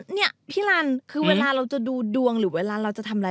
เนี่ยพี่ลันคือเวลาเราจะดูดวงหรือเวลาเราจะทำอะไร